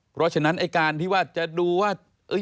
เพราะฉะนั้นไอ้การที่ว่าจะดูว่า